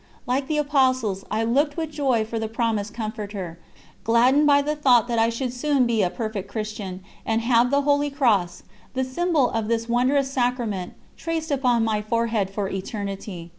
Like the Apostles, I looked with joy for the promised Comforter, gladdened by the thought that I should soon be a perfect Christan, and have the holy Cross, the symbol of this wondrous Sacrament, traced upon my forehead for eternity.